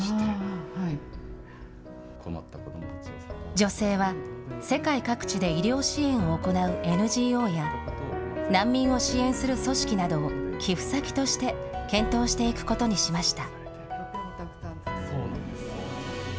女性は世界各地で医療支援を行うＮＧＯや、難民を支援する組織などを、寄付先として検討していくことにしました。